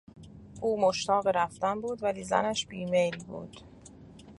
او مشتاق رفتن بود ولی زنش بیمیل بود.